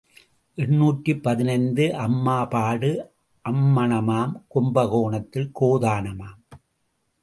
எண்ணூற்று பதினைந்து அம்மா பாடு அம்மணமாம் கும்பகோணத்தில் கோதானமாம்.